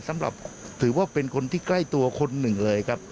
สำหรับถือว่าเป็นคนที่ใกล้ตัวคนหนึ่งเลยครับ